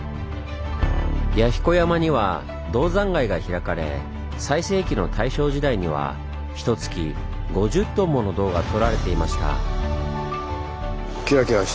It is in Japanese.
弥彦山には銅山街が開かれ最盛期の大正時代にはひと月５０ｔもの銅が採られていました。